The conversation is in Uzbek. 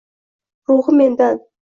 Ruhi mendan